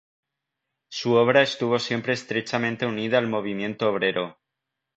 Su obra estuvo siempre estrechamente unida al movimiento obrero.